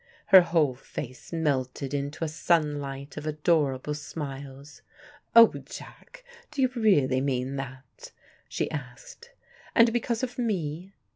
Her whole face melted into a sunlight of adorable smiles. "Oh, Jack, do you really mean that?" she asked. "And because of me?"